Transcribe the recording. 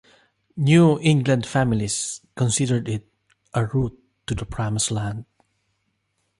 New England families considered it a route to the "promised land".